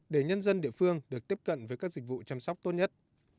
để nhân dân địa phương được tiếp cận với các dịch vụ chăm sóc tốt nhất